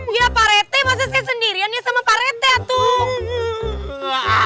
ya pak rt masa saya sendirian nih sama pak rt tuh